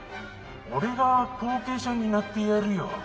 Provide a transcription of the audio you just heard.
俺が後継者になってやるよ」